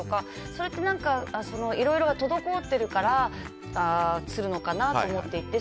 それって、いろいろ滞ってるからつるのかなと思っていて。